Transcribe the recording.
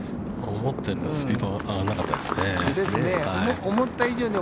◆思ったよりスピードは上がらなかったですね。